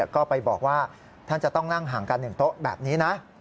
ก็ไปบอกว่าท่านจะต้องนั่งห่างกัน๑โต๊ะแบบนี้นะ